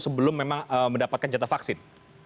sebelum memang mendapatkan jatah vaksin